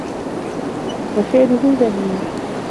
وَفِعْلُهُ ذَمِيمٌ